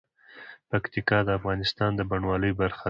پکتیکا د افغانستان د بڼوالۍ برخه ده.